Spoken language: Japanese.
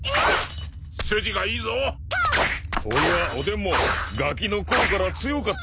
そういやおでんもガキのころから強かった。